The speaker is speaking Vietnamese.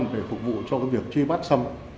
để phục vụ cho cái việc truy bắt sâm